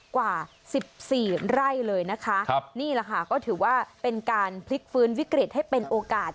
กว่าสิบสี่ไร่เลยนะคะนี่แหละค่ะก็ถือว่าเป็นการพลิกฟื้นวิกฤตให้เป็นโอกาส